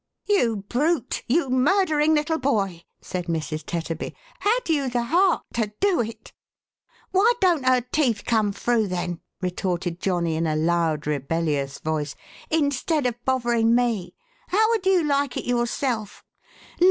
You brute, you murdering little boy,"" said Mrs. Tetterby. " Had you the heart to do it ?"" Why don't her teeth come through, then," retorted Johnny, in a loud rebellious voice, " instead of bothering me? How would you like it yourself?"